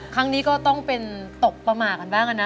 ครั้งนี้ก็ต้องเป็นตกประมาทกันบ้างนะ